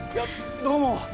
どうも。